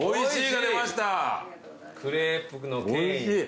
おいしい！